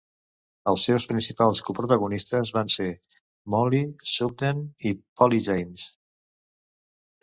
Els seus principals coprotagonistes van ser Mollie Sugden i Polly James.